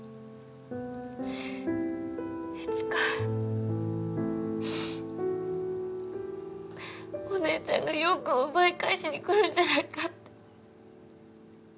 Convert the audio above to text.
いつかお姉ちゃんが陽君を奪い返しに来るんじゃないかって。